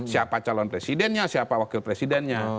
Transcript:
siapa calon presidennya siapa wakil presidennya